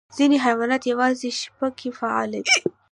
ځینې حیوانات یوازې شپه کې فعال وي.